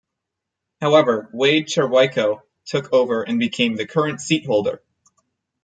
However Wade Cherwayko took over and became the current seat holder.